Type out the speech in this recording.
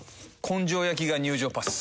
根性焼きが入場パス。